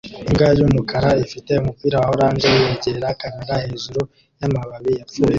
Imbwa yumukara ifite umupira wa orange yegera kamera hejuru yamababi yapfuye